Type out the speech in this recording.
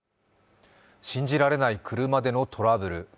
信じられない車でのトラブル。